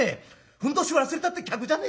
ふんどし忘れたって客じゃねえか！